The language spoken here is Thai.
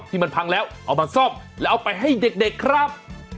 ที่มันพังแล้วเอามาซ่อมแล้วเอาไปให้เด็กครับ